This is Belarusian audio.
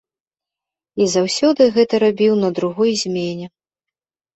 І заўсёды гэта рабіў на другой змене.